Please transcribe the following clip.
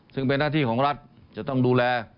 ซึ่งเป็นหน้าที่ของรัฐจะต้องดูแล